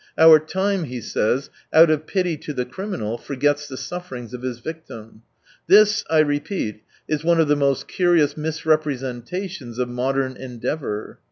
" Our time," he says, " out of pity to the criminal forgets the sufferings of his victim." This, I repeat, is one of the most curious misrepresentations of modern endeavour.